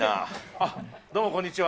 あっ、どうもこんにちは。